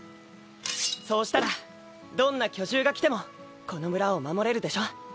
そうしたらどんな巨獣が来てもこの村を守れるでしょ？